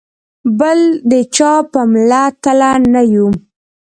بل د چا په مله تله نه یو.